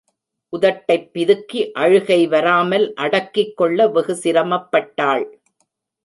உதட்டைப் பிதுக்கி அழுகை வராமல் அடக்கிக் கொள்ள வெகு சிரமப்பட்டாள்.